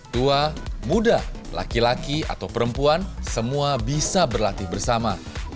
tua muda laki laki atau perempuan semua bisa berlatih bersama